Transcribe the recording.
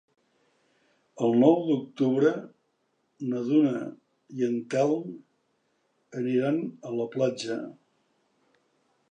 El nou d'octubre na Duna i en Telm aniran a la platja.